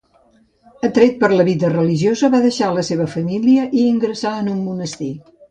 Atret per la vida religiosa, va deixar la seva família i ingressà en un monestir.